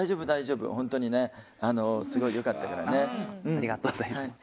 ありがとうございます。